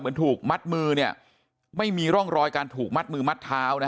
ถูกมัดมือเนี่ยไม่มีร่องรอยการถูกมัดมือมัดเท้านะฮะ